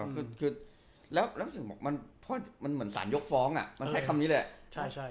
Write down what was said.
อ่าคือแล้วถึงบอกมันเหมือนสารยกฟ้องอ่ะใช้คำนี้เลย